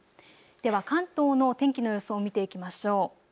では関東の天気の予想、見ていきましょう。